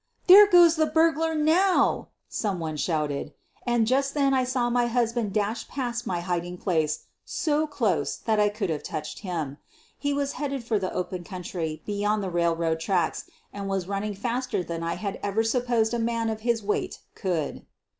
"There goes the burglar now!" some one shouted, QUEEN OF THE BUKGLAKS 125 and just then I saw my husband dash past my hid ing place so close that I could have touched him. He was headed for the open country beyond the railroad tracks and was running faster than I had ever supposed a man of his weight could.